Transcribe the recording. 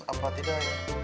apa tidak ya